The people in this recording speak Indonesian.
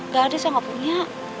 gak ada saya nggak punya